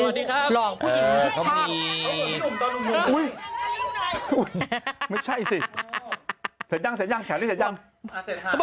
สวัสดีครับคุณป้าคนนึงตอนนุ่มอุ๊ยไม่ใช่สิเสร็จยังแขวนี้เสร็จยัง